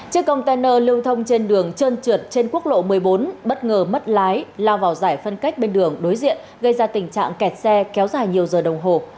chiếc container lưu thông trên đường trơn trượt trên quốc lộ một mươi bốn bất ngờ mất lái lao vào giải phân cách bên đường đối diện gây ra tình trạng kẹt xe kéo dài nhiều giờ đồng hồ